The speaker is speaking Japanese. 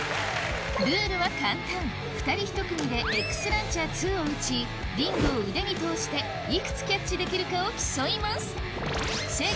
ルールは簡単２人１組でＸランチャー２を撃ちリングを腕に通していくつキャッチできるかを競います